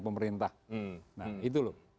pemerintah nah itu loh